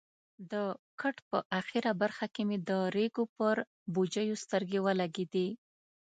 د کټ په اخره برخه کې مې د ریګو پر بوجیو سترګې ولګېدې.